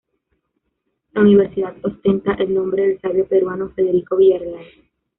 La universidad ostenta el nombre del sabio peruano Federico Villarreal.